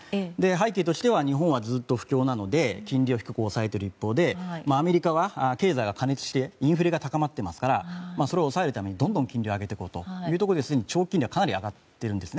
背景としては日本はずっと不況なので金利を低く抑えている一方でアメリカは経済が過熱してインフレが高まっていますからそれを抑えるためにどんどん金利を上げていこうということで長期金利がかなり上がっているんです。